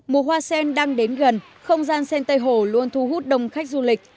mùa hoa sen đang đến gần không gian sen tây hồ luôn thu hút đông khách du lịch